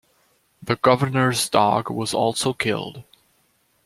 The Governor's dog was also killed.